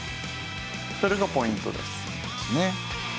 それがポイントです。